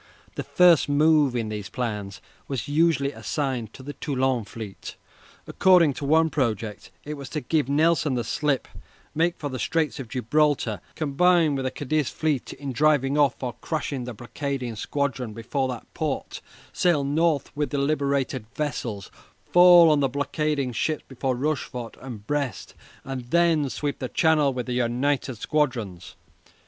The first move in these plans was usually assigned to the Toulon fleet. According to one project it was to give Nelson the slip, make for the Straits of Gibraltar, combine with the Cadiz fleet in driving off or crushing the blockading squadron before that port, sail north with the liberated vessels, fall on the blockading ships before Rochefort and Brest, and then sweep the Channel with the united squadrons.